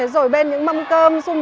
rồi bên những mâm cơm xung quanh